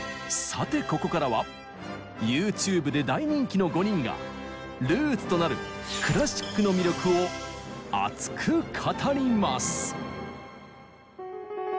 さてここからはＹｏｕＴｕｂｅで大人気の５人がルーツとなるクラシックの魅力を熱く語ります。